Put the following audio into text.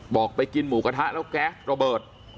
ไปกินหมูกระทะแล้วแก๊สระเบิด